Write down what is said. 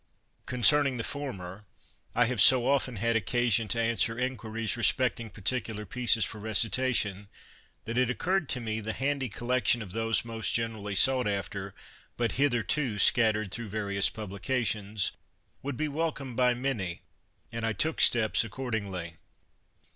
Concerning the former, I have so often had occasion to answer inquiries respecting particular pieces for recitation, that it occurred to me the handy collection of those most generally sought after, but hitherto scattered through various publications, would be welcomed by many; and I took steps accordingly.